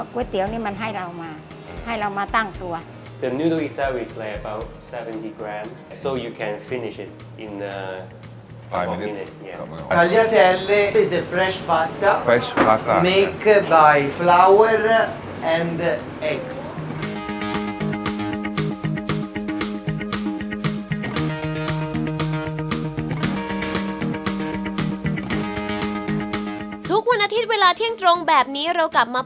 กลับไปค่อยมีความเจ็บครับ